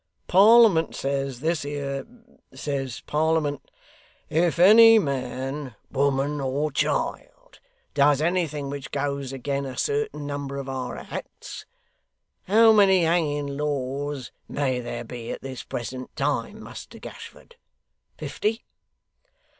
Parliament says this here says Parliament, "If any man, woman, or child, does anything which goes again a certain number of our acts" how many hanging laws may there be at this present time, Muster Gashford? Fifty?